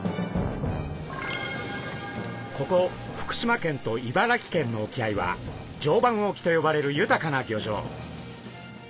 ここ福島県と茨城県の沖合は常磐沖と呼ばれる豊かな漁場。